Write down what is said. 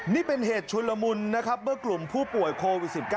นี่เป็นเหตุชุนละมุนนะครับเมื่อกลุ่มผู้ป่วยโควิด๑๙